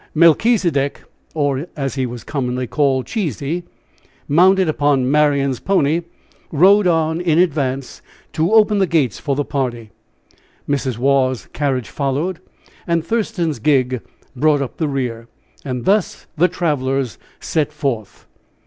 Melchisedek, or as he was commonly called, Cheesy, mounted upon Marian's pony, rode on in advance, to open the gates for the party. Mrs. Waugh's carriage followed. And Thurston's gig brought up the rear. And thus the travelers set forth.